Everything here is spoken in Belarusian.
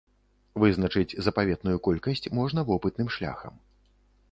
Вызначыць запаветную колькасць можна вопытным шляхам.